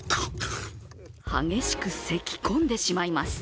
激しくせき込んでしまいます。